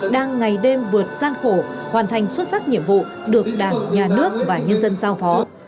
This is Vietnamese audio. đang ngày đêm vượt gian khổ hoàn thành xuất sắc nhiệm vụ được đảng nhà nước và nhân dân giao phó